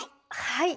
はい。